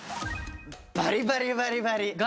バリバリバリバリ。